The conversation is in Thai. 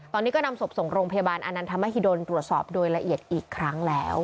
ตอนนี้ก็นำศพส่งโรงพยาบาลอานันทมหิดลตรวจสอบโดยละเอียดอีกครั้งแล้ว